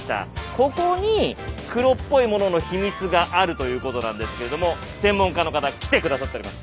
ここに黒っぽいものの秘密があるということなんですけれども専門家の方来て下さっております。